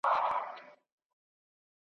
او قافيې ابتدايي کتابونه مي